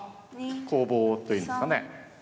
攻防というんですかね。